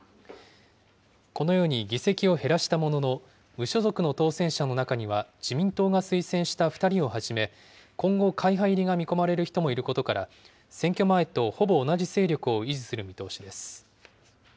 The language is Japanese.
このように、議席を減らしたものの、無所属の当選者の中には、自民党が推薦した２人をはじめ、今後、会派入りが見込まれる人もいることから、選挙前とほぼ同じ勢力を維持する見通しです。